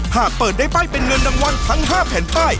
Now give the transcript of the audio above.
หากเปิดได้ป้ายเป็นเงินรางวัลทั้ง๕แผ่นป้าย